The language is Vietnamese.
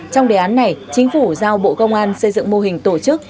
trong đề án này chính phủ giao bộ công an xây dựng mô hình tổ chức